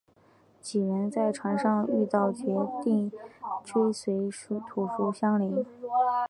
几人在船上遇到决意追随屠苏的襄铃。